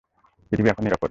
পৃথিবী এখন নিরাপদ।